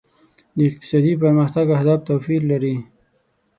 د اقتصادي پرمختګ اهداف توپیر لري.